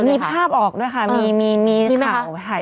มีภาพออกด้วยค่ะมีข่าวถ่าย